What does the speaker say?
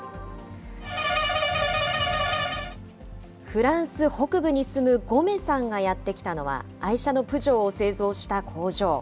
フランス北部に住むゴメさんがやって来たのは、愛車のプジョーを製造した工場。